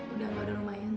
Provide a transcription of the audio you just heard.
udah ga ada rumah yang